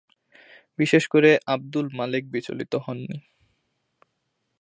বিশেষ করে আবদুল মালেক বিচলিত হননি।